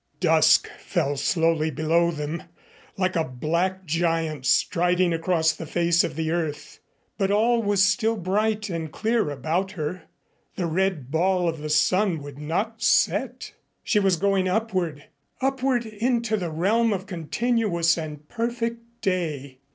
Dusk fell slowly below them, like a black giant striding across the face of the earth, but all was still bright and clear about her. The red ball of the sun would not set. She was going upward upward into the realm of continuous and perfect day.